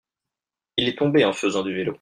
il est tombé en faisant du vélo.